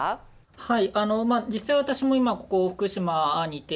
はい。